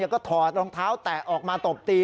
ก็ถอดรองเท้าแตะออกมาตบตี